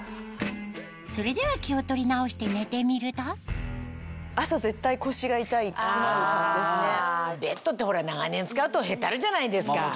それでは気を取り直して寝てみるとベッドって長年使うとへたるじゃないですか。